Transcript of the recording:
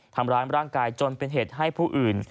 ทำร้ายร่างกายจนเป็นเหตุให้ผู้อื่น